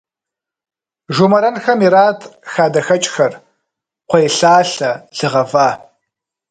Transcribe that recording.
Жумэрэнхэм ират хадэхэкӏхэр, кхъуейлъалъэ, лы гъэва.